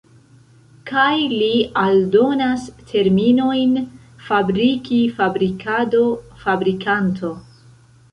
Kaj li aldonas terminojn fabriki, fabrikado, fabrikanto.